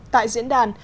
tại diễn đàn